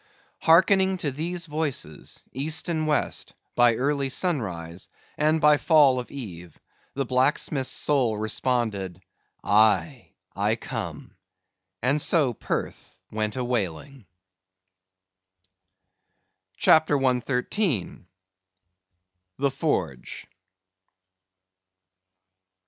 Hearkening to these voices, East and West, by early sunrise, and by fall of eve, the blacksmith's soul responded, Aye, I come! And so Perth went a whaling. CHAPTER 113. The Forge.